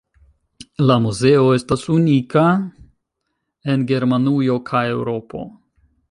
La muzeo estas unika en Germanujo kaj Eŭropo.